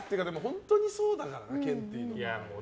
本当にそうだからな、ケンティーは。